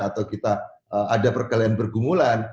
atau kita ada perkelahian bergumulan